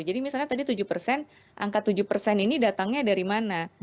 jadi misalnya tadi tujuh angka tujuh ini datangnya dari mana